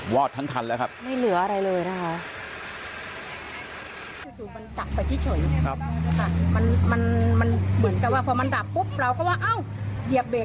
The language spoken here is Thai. วอดทั้งคันแล้วครับ